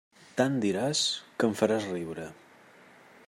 Tant diràs, que em faràs riure.